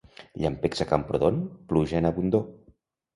Llampecs a Camprodon, pluja en abundor.